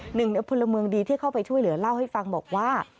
หนึ่งในพลเมืองดีที่เข้าไปช่วยเหลือเล่าให้ฟังบอกว่า